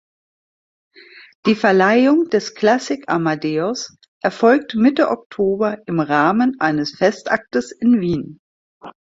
Die Verleihung des "Klassik Amadeus" erfolgt Mitte Oktober im Rahmen eines Festaktes in Wien.